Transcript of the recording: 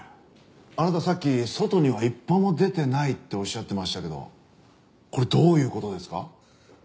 あなたさっき外には一歩も出てないっておっしゃってましたけどこれどういう事ですか？